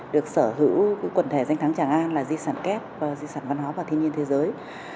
được sở hữu quần thể danh thắng tràng an là di sản kép di sản văn hóa và thiên nhiên thế giới